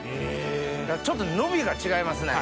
ちょっと伸びが違いますね。